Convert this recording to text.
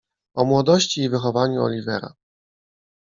"O młodości i wychowaniu Oliwera."